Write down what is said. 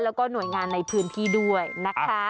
แล้วก็หน่วยงานในพื้นที่ด้วยนะคะ